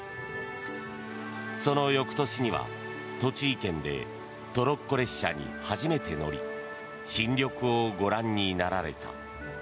その翌年には、栃木県でトロッコ列車に初めて乗り新緑をご覧になられた。